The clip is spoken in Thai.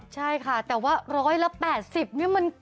ใช่ค่ะแต่ว่าร้อยละ๘๐นี่มัน